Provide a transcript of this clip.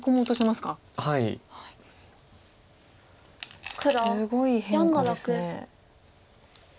すごい変化ですね。